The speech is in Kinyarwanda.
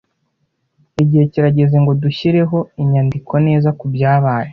Igihe kirageze ngo dushyireho inyandiko neza kubyabaye.